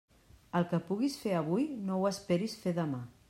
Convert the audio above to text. El que puguis fer avui no ho esperis fer demà.